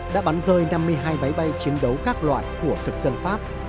đã bắn rơi năm mươi hai máy bay chiến đấu các loại của thực dân pháp